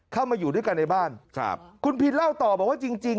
เข้ามาอยู่ด้วยกันในบ้านครับคุณพินเล่าต่อบอกว่าจริงจริง